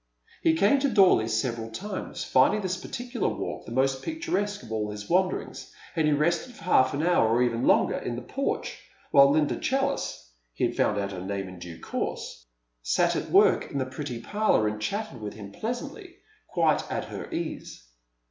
He came to Dorley several times, finding this particular walk the most picturesque of all his wanderings, and he rested for half an hour, or even longer, in the porch, while Linda Challice, he had found out her name in due course, sat at work in the pretty parlour and chatted with him pleasantly, quite at her ease.